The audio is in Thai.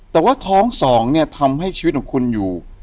แต่ว่าท้องสองเนี่ยทำให้ชีวิตของคุณอยู่